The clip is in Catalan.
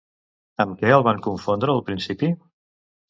Amb què el van confondre al principi?